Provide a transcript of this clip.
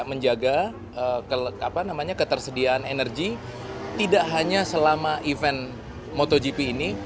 menjaga ketersediaan energi tidak hanya selama event motogp ini